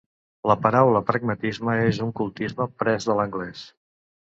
La paraula pragmatisme és un cultisme pres de l'anglès.